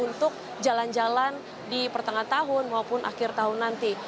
untuk jalan jalan di pertengahan tahun maupun akhir tahun nanti